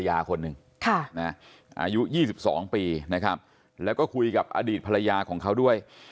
อายุ๒๒ปีนะครับแล้วก็คุยกับอดีตภรรยาของเขาด้วย